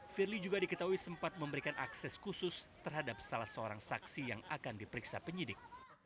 firly juga diketahui sempat memberikan akses khusus terhadap salah seorang saksi yang akan diperiksa penyidik